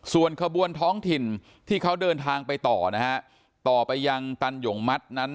ส่วนขบวนท้องถิ่นที่เขาเดินทางไปต่อนะฮะต่อไปยังตันหย่งมัดนั้น